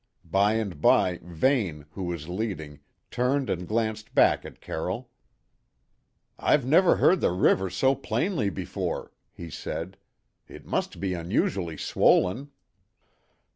By and by Vane; who was leading, turned and glanced back at Carroll. "I've never heard the river so plainly before," he said. "It must be unusually swollen."